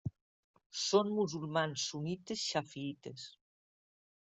Són musulmans sunnites xafiïtes.